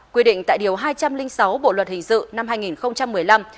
quy định tại điều hai trăm linh sáu bộ luật hình sự năm hai nghìn một mươi năm